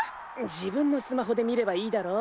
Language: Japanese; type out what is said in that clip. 自分のスマホで見ればいいだろ。